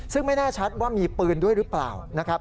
ซึ่งไม่แน่ชัดว่ามีปืนด้วยหรือเปล่านะครับ